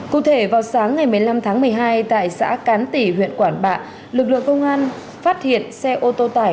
cụ thể vào sáng ngày một mươi năm tháng một mươi hai tại xã cán tỷ huyện quản bạ lực lượng công an phát hiện xe ô tô tải